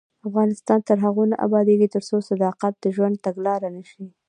افغانستان تر هغو نه ابادیږي، ترڅو صداقت د ژوند تګلاره نشي.